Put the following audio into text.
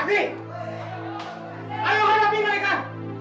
mereka semua berkumpul di depan